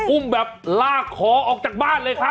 อุ้มแบบลากคอออกจากบ้านเลยครับ